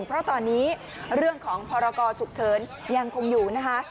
เพราะตอนนี้เรื่องของพรกรฉุกเฉินยังคงอยู่นะคะ